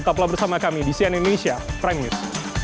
tepuk lalu bersama kami di cnn indonesia prime news